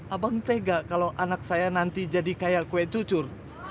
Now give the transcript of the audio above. abang tega kalau anak saya nanti jadi kayak kue cucur